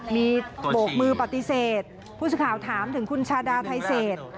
มีโบกมือปฏิเสธผู้สื่อข่าวถามถึงคุณชาดาไทเศษ